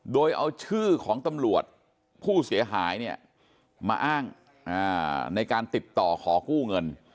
โดยเอาชื่อของตำรวจผู้เสียหายเนี่ยมาอ้างในการติดต่อขอกู้เงิน